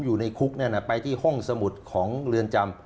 อยู่ในคุกนั่นไปที่ห้องสมุดของเรือนจำ